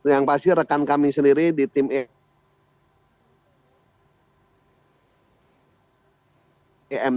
yang pasti rekan kami sendiri di tim emb